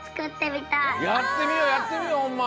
やってみようやってみようホンマ！